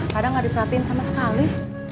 padahal gak diperhatiin sama sekali